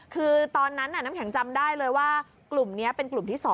คือตอนนั้นน้ำแข็งจำได้เลยว่ากลุ่มนี้เป็นกลุ่มที่๒